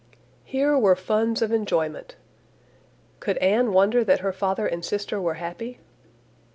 Here were funds of enjoyment. Could Anne wonder that her father and sister were happy?